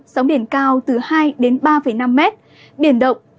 sóng biển cao từ hai đến ba năm mét biển động